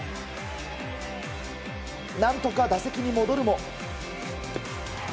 何とか打席に戻るも。